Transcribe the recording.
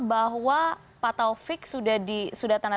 bahwa pak taufik sudah di sudah tanda